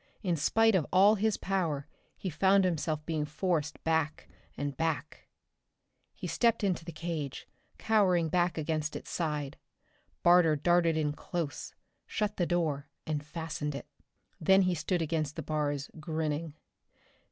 In spite of all his power he found himself being forced back and back. He stepped into the cage, cowered back against its side. Barter darted in close, shut the door and fastened it. Then he stood against the bars, grinning.